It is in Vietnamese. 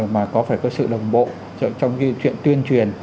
mà có phải có sự đồng bộ trong cái chuyện tuyên truyền